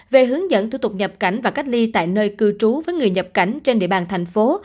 về hướng dẫn thủ tục nhập cảnh và cách ly tại nơi cư trú với người nhập cảnh trên địa bàn thành phố